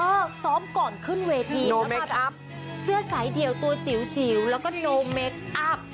ซ้อมก่อนขึ้นเวทีแล้วมารับอัพเสื้อสายเดี่ยวตัวจิ๋วจิ๋วแล้วก็โนเมคอัพ